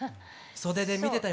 袖で見てたよ！